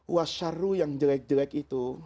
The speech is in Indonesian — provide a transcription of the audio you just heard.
wasyaru yang jelek jelek itu